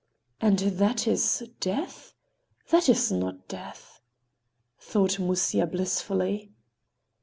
"And that is—Death? That is not Death!" thought Musya blissfully.